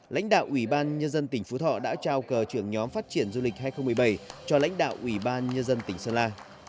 lãnh đạo ủy ban nhân dân tỉnh phú thọ đã trao cờ trưởng nhóm phát triển du lịch hai nghìn một mươi bảy cho lãnh đạo ủy ban nhân dân tỉnh sơn la